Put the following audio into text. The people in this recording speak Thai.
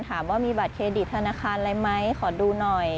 ถามว่ามีบัตรเครดิตธนาคารอะไรไหมขอดูหน่อย